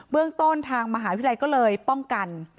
เรื่องต้นทางมหาวิทยาลัยก็เลยป้องกัน